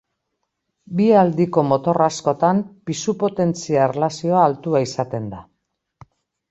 Bi aldiko motor askotan pisu-potentzia erlazioa altua izaten da.